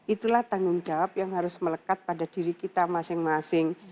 itulah tanggung jawab yang harus melekat pada diri kita masing masing